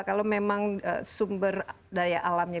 kalau memang sumber daya alamnya